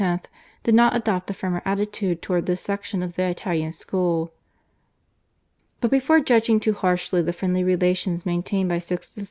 did not adopt a firmer attitude towards this section of the Italian school. But before judging too harshly the friendly relations maintained by Sixtus IV.